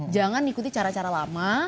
jangan ikuti cara cara lama